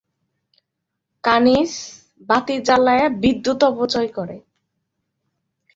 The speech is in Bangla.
খোলা ফুলের গন্ধ তীব্র, মাতাল করা।